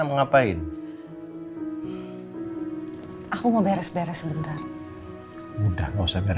udah aku kena ke wakil